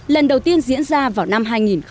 lần đầu tiên diễn ra vào năm hai nghìn một mươi năm